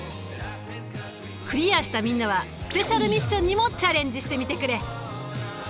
クリアしたみんなはスペシャルミッションにもチャレンジしてみてくれ。